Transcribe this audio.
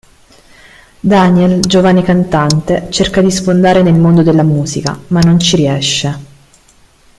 Daniel, giovane cantante, cerca di sfondare nel mondo della musica, ma non ci riesce.